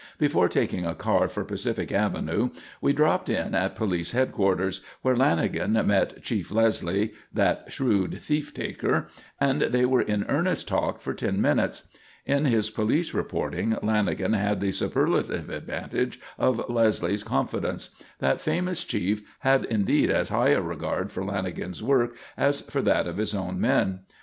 Before taking a car for Pacific Avenue, we dropped in at police headquarters where Lanagan met Chief Leslie, that shrewd thief taker, and they were in earnest talk for ten minutes. In his police reporting Lanagan had the superlative advantage of Leslie's confidence. That famous chief had indeed as high a regard for Lanagan's work as for that of his own men.